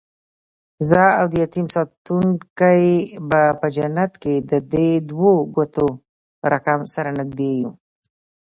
زه اودیتیم ساتونکی به په جنت کې ددې دوو ګوتو رکم، سره نږدې یو